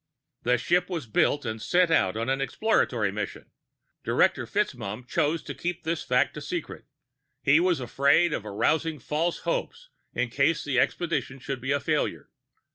"The ship was built and sent out on an exploratory mission. Director FitzMaugham chose to keep this fact a secret. He was afraid of arousing false hopes in case the expedition should be a failure.